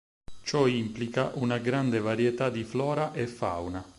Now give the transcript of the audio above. Ciò implica una grande varietà di flora e fauna.